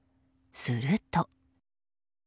すると。